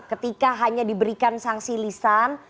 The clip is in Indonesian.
ketika hanya diberikan sanksi lisan